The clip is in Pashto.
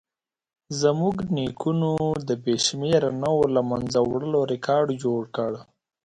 زموږ نیکونو د بې شمېره نوعو له منځه وړلو ریکارډ جوړ کړ.